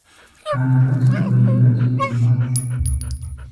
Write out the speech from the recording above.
Анэмэтым гъейрэт иумыщӀэкӀ.